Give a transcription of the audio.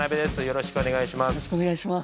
よろしくお願いします